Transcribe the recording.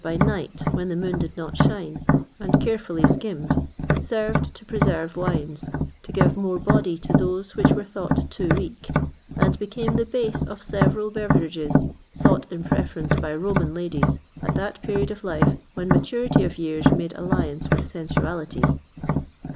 [XXVIII 62] This wort, thus prepared by night, when the moon did not shine,[XXVIII 63] and carefully skimmed,[XXVIII 64] served to preserve wines, to give more body to those which were thought too weak, and became the base of several beverages sought in preference by Roman ladies, at that period of life when maturity of years made alliance with sensuality.